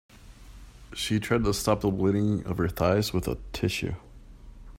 She tried to stop the bleeding of her thighs with a tissue.